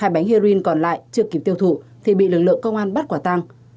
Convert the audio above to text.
hai bánh heroin còn lại chưa kịp tiêu thụ thì bị lực lượng công an bắt quả tăng